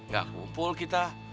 gak kumpul kita